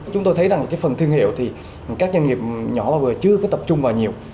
chúng tôi thấy rằng cái phần thương hiệu thì các doanh nghiệp nhỏ và vừa chưa có tập trung vào nhiều